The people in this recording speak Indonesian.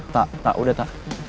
tak tak udah tak